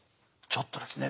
ちょっとですね